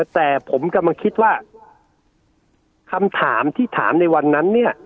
แต่ผมกำลังคิดว่าคำถามที่ถามในวันนั้นเนี่ย